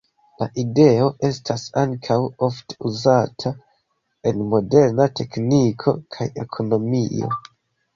La ideo estas ankaŭ ofte uzata en moderna tekniko kaj ekonomio.